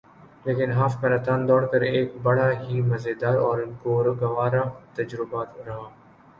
لیکن half marathon دوڑ ایک بڑا ہی مزیدار اور گوارہ تجربہ رہا